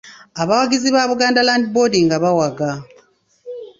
Abawagizi ba Buganda Land Board nga bawaga.